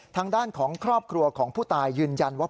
ทางด้านของครอบครัวของผู้ตายยืนยันว่า